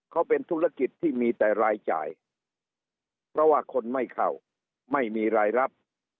เขาเป็นธุรกิจที่มีแต่รายจ่ายเพราะว่าคนไม่เข้าไม่มีรายรับ